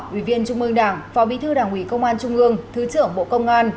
ủy viên trung ương đảng phó bí thư đảng ủy công an trung ương thứ trưởng bộ công an